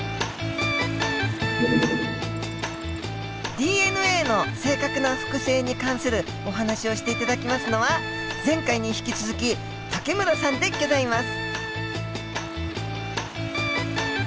ＤＮＡの正確な複製に関するお話をして頂きますのは前回に引き続き武村さんでギョざいます。